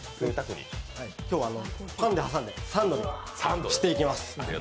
今日はパンに挟んでサンドにしていきます。